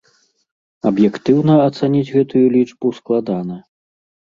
Аб'ектыўна ацаніць гэтую лічбу складана.